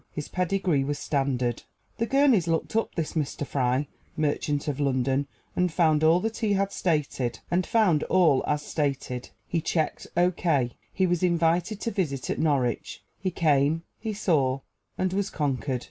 His pedigree was standard. The Gurneys looked up this Mr. Fry, merchant, of London, and found all as stated. He checked O.K. He was invited to visit at Norwich; he came, he saw, and was conquered.